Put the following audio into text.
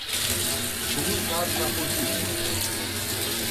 Кому казну повірю я?